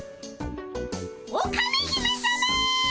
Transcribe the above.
オカメ姫さま！